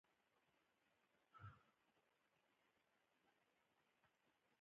د ننګرهار په چپرهار کې د سمنټو مواد شته.